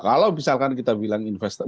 kalau misalkan kita bilang investor